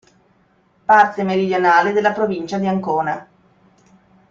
Parte meridionale della provincia di Ancona.